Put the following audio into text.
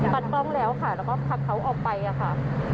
ปัดกล้องแล้วค่ะแล้วก็พักเขาออกไปค่ะ